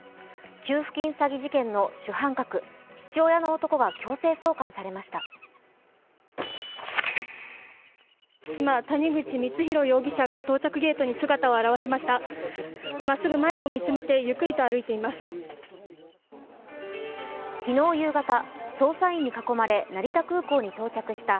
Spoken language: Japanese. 給付金詐欺事件の主犯格、父親の男が強制送還されました。